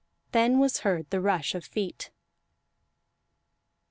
Then was heard the rush of feet.